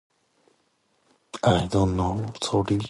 I don't know, Toby.